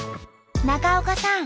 中岡さん